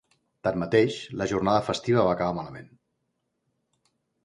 Tanmateix, la jornada festiva va acabar malament.